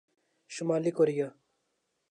شمالی کوریا